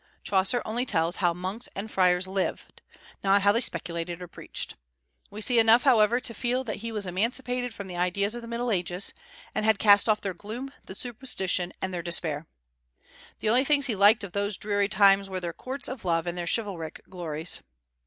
Chaucer only tells how monks and friars lived, not how they speculated or preached. We see enough, however, to feel that he was emancipated from the ideas of the Middle Ages, and had cast off their gloom, their superstition, and their despair. The only things he liked of those dreary times were their courts of love and their chivalric glories.